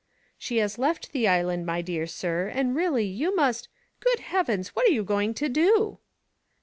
'*She has left the island, my dear sir, and really you must Good Heavens! what are you going to do?"